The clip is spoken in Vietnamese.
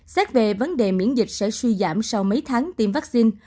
xét về vấn đề biến chủng omicron sẽ suy giảm sau mấy tháng tiêm vaccine